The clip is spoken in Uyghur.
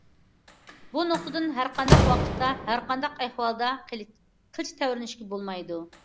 بۇ نۇقتىدىن ھەرقانداق ۋاقىتتا، ھەرقانداق ئەھۋالدا قىلچە تەۋرىنىشكە بولمايدۇ.